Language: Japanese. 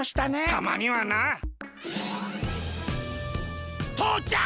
たまにはな。とうちゃく！